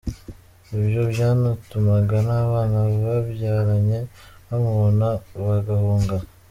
Ibyo byanatumaga n’abana babyaranye bamubona bagahunga.